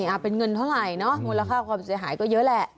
เป็นเงินเท่าไหร่เนอะมูลค่าความเสียหายก็เยอะแหละ